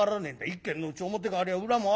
一軒のうち表がありゃ裏もある。